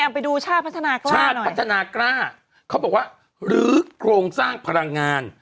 ไปดูชาติพัฒนากล้าชาติพัฒนากล้าเขาบอกว่าหรือโครงสร้างพลังงาน